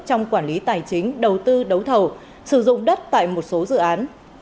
trong quản lý tài chính đầu tư đấu thầu sử dụng đất tại một số dự án